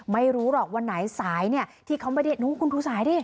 ไม่รู้หรอกวันไหนสายเนี่ยที่เขาไม่ได้รู้คุณดูสายดิ